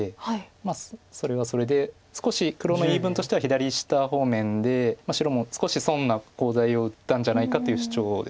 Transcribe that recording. まあそれはそれで少し黒の言い分としては左下方面で白も少し損なコウ材を打ったんじゃないかっていう主張です。